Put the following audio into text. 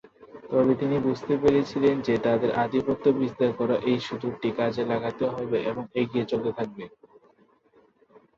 তবে তিনি বুঝতে পেরেছিলেন যে তাদের আধিপত্য বিস্তার করার এই সুযোগটি কাজে লাগাতে হবে এবং এগিয়ে চলতে থাকবে।